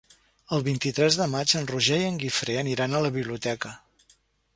El vint-i-tres de maig en Roger i en Guifré aniran a la biblioteca.